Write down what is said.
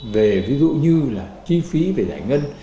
về ví dụ như là chi phí về giải ngân